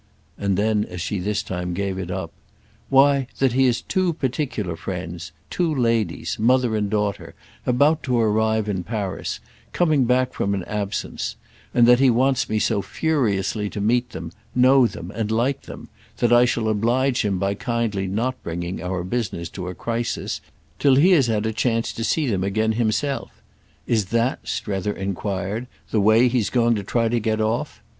And then as she this time gave it up: "Why that he has two particular friends, two ladies, mother and daughter, about to arrive in Paris—coming back from an absence; and that he wants me so furiously to meet them, know them and like them, that I shall oblige him by kindly not bringing our business to a crisis till he has had a chance to see them again himself. Is that," Strether enquired, "the way he's going to try to get off?